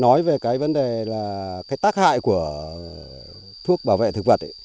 nói về cái vấn đề là cái tác hại của thuốc bảo vệ thực vật ấy